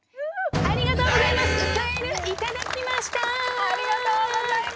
ありがとうございます！